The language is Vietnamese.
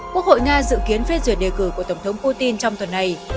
quốc hội nga dự kiến phê duyệt đề cử của tổng thống putin trong tuần này